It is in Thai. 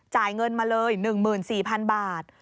จ่ายเงินมาเลย๑๔๐๐๐บาท